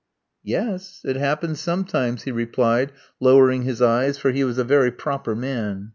"Yes; it happens sometimes," he replied, lowering his eyes, for he was a very proper man.